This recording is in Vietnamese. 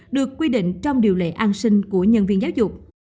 được quy định trong điều lệ an sinh của nhân viên giáo dục